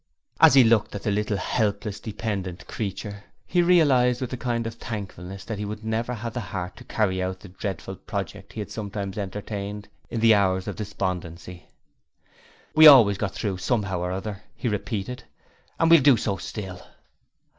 As he looked at this little helpless, dependent creature, he realized with a kind of thankfulness that he would never have the heart to carry out the dreadful project he had sometimes entertained in hours of despondency. 'We've always got through somehow or other,' he repeated, 'and we'll do so still.'